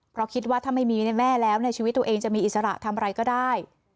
เพราะคิดว่าถ้าไม่มีแม่แล้วในชีวิตตัวเองจะมีอิสระทำอะไรก็ได้